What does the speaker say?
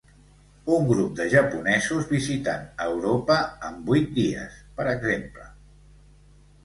Un grup de japonesos visitant Europa en vuit dies, per exemple.